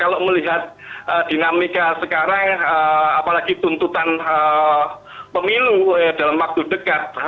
kalau melihat dinamika sekarang apalagi tuntutan pemilu dalam waktu dekat